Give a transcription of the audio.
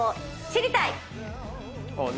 知りたい？